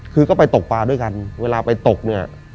คือก็ไปตกปลาด้วยกันเวลาไปตกเนี่ย